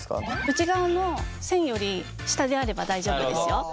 内側の線より下であれば大丈夫ですよ。